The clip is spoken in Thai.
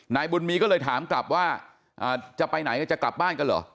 นายบุญมีก็เลยถามกลับว่าจะไปไหนจะกลับบ้านกันเหรอ